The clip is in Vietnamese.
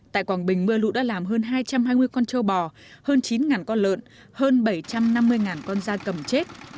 tại quảng bình mưa lũ đã làm hơn hai trăm hai mươi con trâu bò hơn chín con lợn hơn bảy trăm năm mươi con da cầm chết